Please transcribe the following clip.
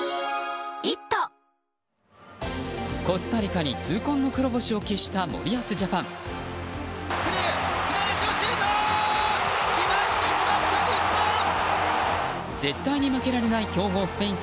コスタリカに痛恨の黒星を喫した森保ジャパン。